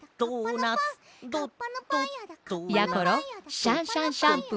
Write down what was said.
シャンシャンシャンプー。